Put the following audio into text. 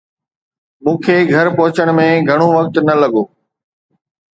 مون کي گهر پهچڻ ۾ گهڻو وقت نه لڳو